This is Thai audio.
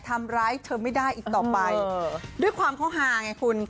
ทำร้ายเธอไม่ได้อีกต่อไปด้วยความเขาฮาไงคุณ